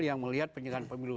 yang melihat penyelenggaraan pemilu